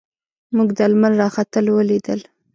موږ د لمر راختل ولیدل.